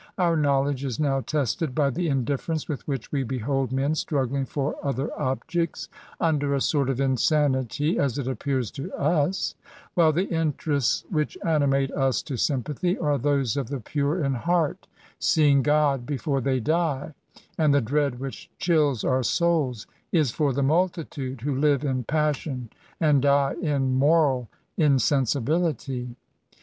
Our knowledge is now tested by the indifference with which we behold men struggling for other objects, under a sort of insanity, as it appears to us, while the interests which animate us to sympathy are those of the pure in heart, seeing 204 n»ATs« God before they die ; and the dread which chills our souls is for the multitude who live in passion and die in moral insensibility.